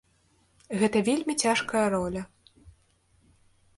Гэта вельмі цяжкая роля.